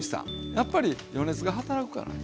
やっぱり余熱が働くからね。